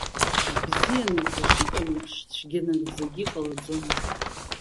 Бзиа нагӡа шыҟам еиԥш, цәгьа нагӡагьы ҟалаӡом!